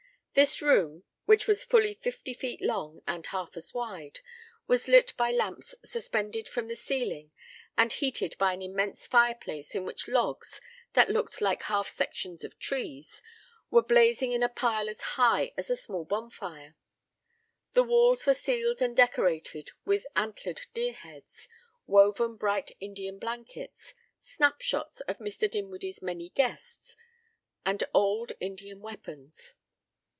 This room, which was fully fifty feet long and half as wide, was lit by lamps suspended from the ceiling and heated by an immense fireplace in which logs, that looked like half sections of trees, were blazing in a pile as high as a small bonfire. The walls were ceiled and decorated with antlered deerheads, woven bright Indian blankets, snap shots of Mr. Dinwiddie's many guests, and old Indian weapons.